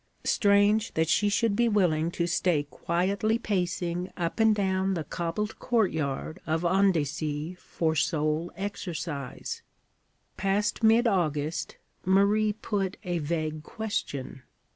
Strange that she should be willing to stay quietly pacing up and down the cobbled courtyard of Andecy for sole exercise! Past mid August, Marie put a vague question.